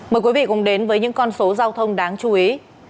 mời quý vị cùng đến với những con số giao thông đáng chú ý